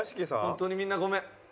本当にみんなごめん。